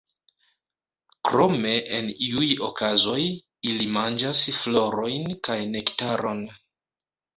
Krome en iuj okazoj ili manĝas florojn kaj nektaron.